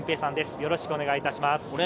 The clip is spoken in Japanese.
よろしくお願いします。